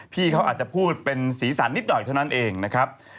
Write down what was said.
พี่เขาอาจจะพูดเป็นสีสันนิดหน่อยเท่านั้นเองนะครับ